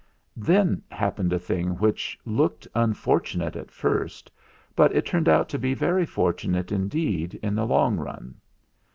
Then happened a thing which looked unfor tunate at first; but it turned out to be very fortunate indeed in the long run.